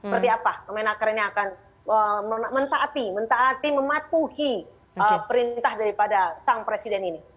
seperti apa kemenaker ini akan mentaati mentaati mematuhi perintah daripada sang presiden ini